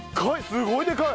すごいでかい！